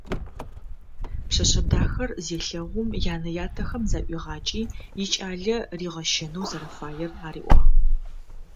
Пшъэшъэ дахэр зелъэгъум янэ ятэхэм заӏуигъакӏи икӏалэ ригъэщэнэу зэрэфаер ариӏуагъ.